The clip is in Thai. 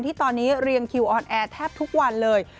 ที่ตอนนี้เรียงคิวออนแอร์แทบทุกวันเลย